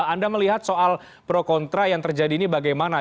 anda melihat soal pro kontra yang terjadi ini bagaimana